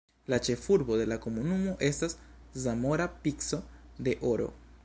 La ĉefurbo de la komunumo estas Zamora Pico de Oro.